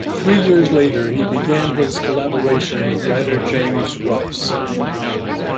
Three years later he began his collaboration with writer James Rice.